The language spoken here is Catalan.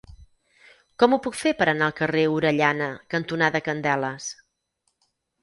Com ho puc fer per anar al carrer Orellana cantonada Candeles?